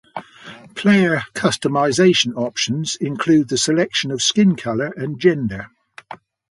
Player customization options include the selection of skin color and gender.